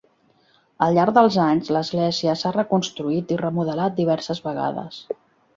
Al llarg dels anys l'església s'ha reconstruït i remodelat diverses vegades.